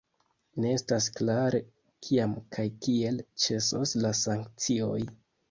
Ne estas klare, kiam kaj kiel ĉesos la sankcioj.